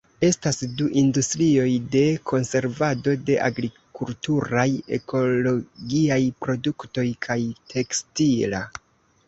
Estas du industrioj: de konservado de agrikulturaj ekologiaj produktoj kaj tekstila.